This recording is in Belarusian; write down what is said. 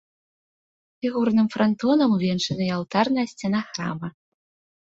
Фігурным франтонам увенчана і алтарная сцяна храма.